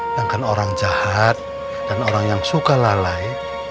sedangkan orang jahat dan orang yang suka lalai